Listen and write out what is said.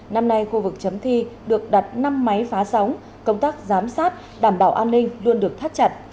năm nay khu vực chấm thi được đặt năm máy phá sóng công tác giám sát đảm bảo an ninh luôn được thắt chặt